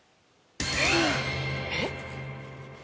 えっ！？